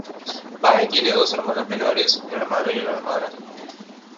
Bae tiene dos hermanos menores, un hermano y una hermana.